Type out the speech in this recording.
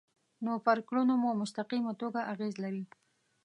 نو پر کړنو مو په مستقیمه توګه اغیز لري.